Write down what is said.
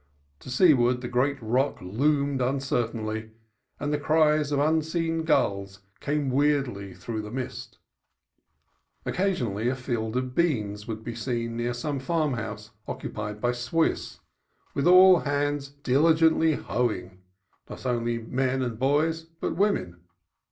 To seaward the great rock loomed uncertainly, and the cries of unseen gulls came weirdly through the mist. Occasionally a field of beans would be seen near some farmhouse occupied by Swiss, with all hands diligently hoeing, not only men and boys, but women.